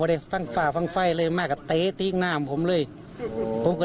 ผมมีงานทำครับบอกว่ามีงานทำ